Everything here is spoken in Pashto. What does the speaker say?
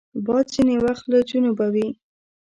باد ځینې وخت له جنوبه وي